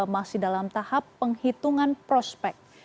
masih dalam tahap penghitungan prospek